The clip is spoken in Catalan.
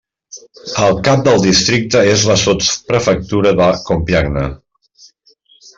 El cap del districte és la sotsprefectura de Compiègne.